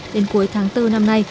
đến cuối tháng bốn năm nay